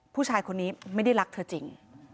ผู้ชายคนนี้ไม่ได้รักเธอจริง